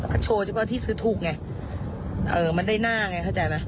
ก็โชว์เฉพาะที่ซื้อถูกไงเอ่อมันได้หน้าไงเข้าใจไหม